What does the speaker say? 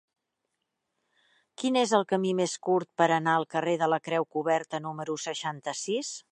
Quin és el camí més curt per anar al carrer de la Creu Coberta número seixanta-sis?